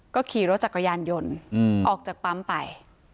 ก็ขี่รถจักรยานยนต์ออกจากปั๊มไป